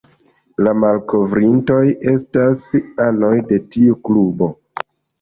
La malkovrintoj estas anoj de tiu klubo.